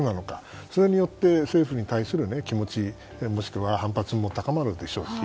それによって政府に対する気持ちもしくは反発も高まるでしょうし。